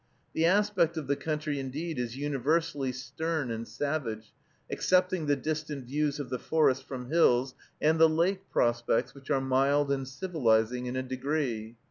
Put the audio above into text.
The aspect of the country, indeed, is universally stern and savage, excepting the distant views of the forest from hills, and the lake prospects, which are mild and civilizing in a degree.